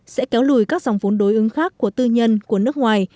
sẽ kéo lùi các dòng vốn đối ứng khác của tư nhân của nước ngoài